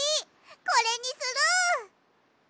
これにする！